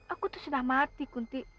aku tuh sudah mati kuntik